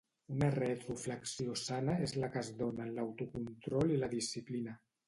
Una retroflexió sana és la que es dóna en l'autocontrol i la disciplina.